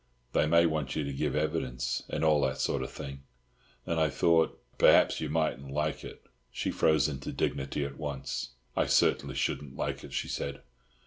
They may want you to give evidence, and all that sort of thing—and I thought, perhaps you mightn't like it." She froze into dignity at once. "I certainly shouldn't like it," she said.